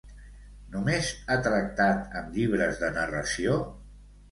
Només ha tractat amb llibres de narració?